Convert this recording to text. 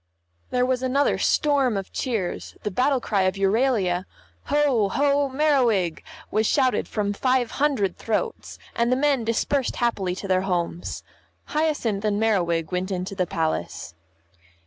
There was another storm of cheers, the battle cry of Euralia, "Ho, ho, Merriwig!" was shouted from five hundred throats, and the men dispersed happily to their homes. Hyacinth and Merriwig went into the Palace.